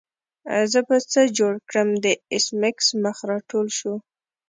زه به څه جوړ کړم د ایس میکس مخ راټول شو